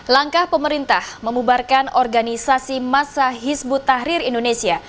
langkah pemerintah memubarkan organisasi masa hizbut tahrir indonesia